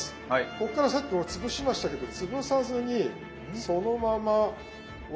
こっからさっきは潰しましたけど潰さずにそのまま折り畳んでいく。